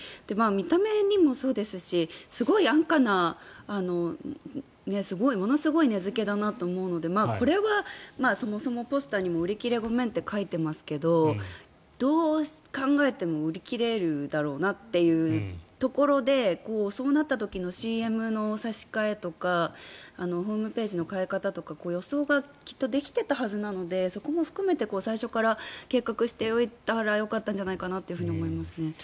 見た目にもそうですしすごい安価なものすごい値付けだなと思うのでこれはそもそもポスターにも売り切れ御免と書いていますがどう考えても売り切れるだろうなっていうところでそうなった時のＣＭの差し替えとかホームページの変え方とか予想がきっとできていたはずなのでそこも含めて最初から計画しておいたらよかったんじゃないかなと思いますね。